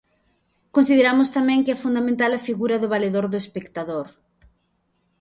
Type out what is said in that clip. Consideramos tamén que é fundamental a figura do Valedor do espectador.